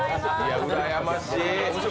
うらやましい！